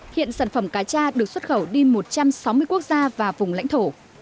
hiện sản phẩm cá cha được xuất khẩu đi một trăm sáu mươi quốc gia và vùng lãnh thổ